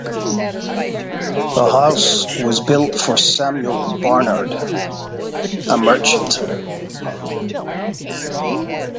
The house was built for Samuel Barnard, a merchant.